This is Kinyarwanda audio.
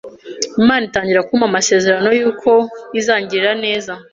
Imana itangira kumpa amasezerano y’uko izangirira neza